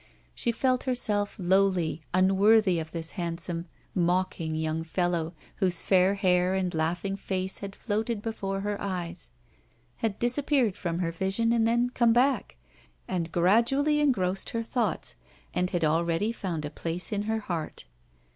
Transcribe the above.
She felt herself lowly, unworthy of this handsome, mocking young fellow, whose fair hair and laughing face had floated before her eyes, had disappeared from her vision and then come back, had gradually engrossed her thoughts, and had already found a place in her heart.